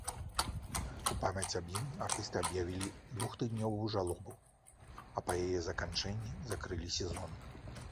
У памяць аб ім артысты аб'явілі двухтыднёвую жалобу, а па яе заканчэнні закрылі сезон.